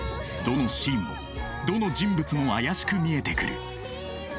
どのシーンもどの人物も怪しく見えてくる。